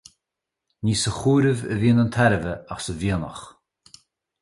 Ní sa chomhaireamh a bhíonn an tairbhe ach sa mhianach.